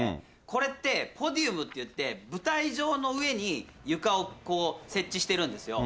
これってポリウムっていって、舞台上の上に、ゆかを設置してるんですよ。